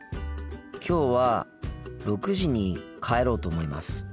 きょうは６時に帰ろうと思います。